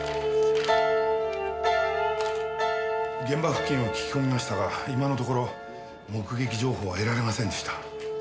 現場付近を聞き込みましたが今のところ目撃情報は得られませんでした。